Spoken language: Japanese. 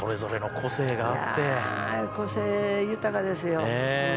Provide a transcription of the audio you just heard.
個性豊かですよ。